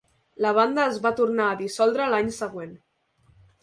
La banda es va tornar a dissoldre l'any següent.